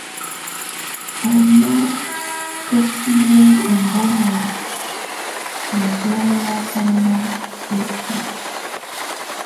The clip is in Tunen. Á nà ketilǝ́ ɛmbɔma nà bayɛ̀á banà bǝ́kimǝ.